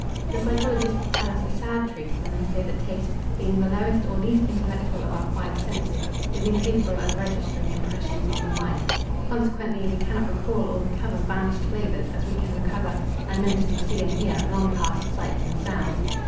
The psychologists tell us a sad truth when they say that taste, being the lowest or least intellectual of our five senses, is incapable of registering impressions on the mind; consequently we cannot recall or recover vanished flavours as we can recover, and mentally see and hear, long past sights and sounds.